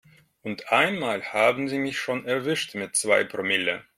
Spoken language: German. Und einmal haben sie mich schon erwischt mit zwei Promille.